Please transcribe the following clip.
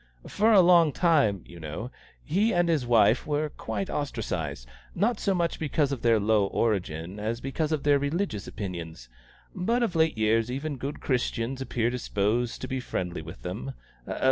For a long time, you know, he and his wife were quite ostracised not so much because of their low origin as because of their religious opinions. But of late years even good Christians appear disposed to be friendly with them.